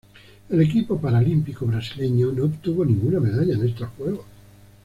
El equipo paralímpico brasileño no obtuvo ninguna medalla en estos Juegos.